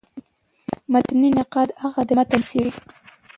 متني نقاد هغه دﺉ، چي متن څېړي.